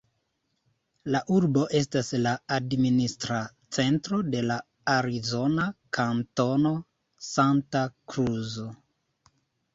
La urbo estas la administra centro de la arizona kantono "Santa Cruz".